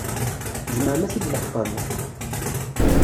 Tzemrem ad t-id-leḥqem?